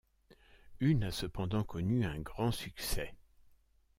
Une a cependant connu un grand succès.